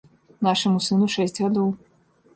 Нашаму сыну шэсць гадоў.